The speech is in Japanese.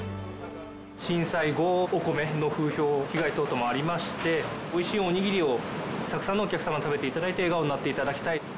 震災後お米の風評被害等々もありましておいしいおにぎりをたくさんのお客様に食べて頂いて笑顔になって頂きたい。